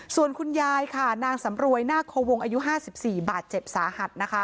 ส่วนคุณยายค่ะนางสำรวยนาคโควงอายุ๕๔บาดเจ็บสาหัสนะคะ